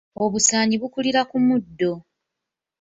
Obusaanyi bukulira ku muddo.